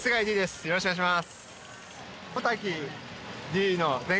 よろしくお願いします！